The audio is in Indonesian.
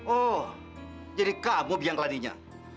oh jadi kamu biang ke ladinya